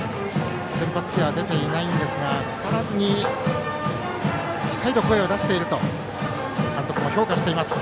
先発では出ていませんが、腐らずしっかりと声を出していると監督も評価しています。